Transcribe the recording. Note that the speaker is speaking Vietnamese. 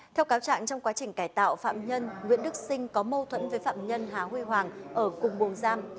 theo cáo trạng trong quá trình cải tạo phạm nhân nguyễn đức sinh có mâu thuẫn với phạm nhân hà huy hoàng ở cùng bù giam